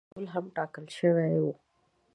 د خوراکي توکو ډول هم ټاکل شوی و.